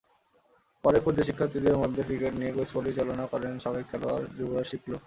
পরে খুদে শিক্ষার্থীদের মধ্যে ক্রিকেট নিয়ে কুইজ পরিচালনা করেন সাবেক খেলোয়াড় যুবরাজ শিপলু।